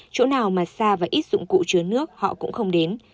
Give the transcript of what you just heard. chỗ nào mà xa và ít dụng cụ chứa nước họ cũng không đến